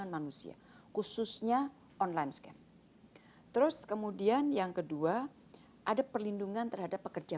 manusia khususnya online scan terus kemudian yang kedua ada perlindungan terhadap pekerja